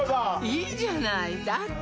いいじゃないだって